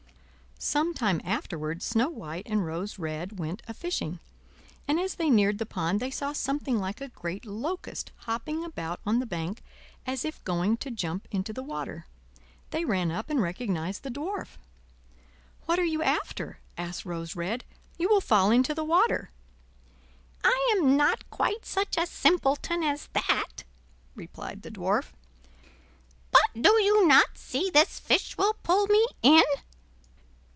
Some time afterward Snow White and Rose Red went a fishing, and as they neared the pond they saw something like a great locust hopping about on the bank, as if going to jump into the water. They ran up and recognized the Dwarf. "What are you after?" asked Rose Red; "you will fall into the water." "I am not quite such a simpleton as that," replied the Dwarf: "but do you not see this fish will pull me in?"